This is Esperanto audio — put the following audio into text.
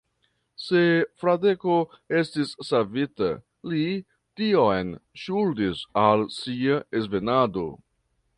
Se Fradeko estis savita, li tion ŝuldis al sia svenado.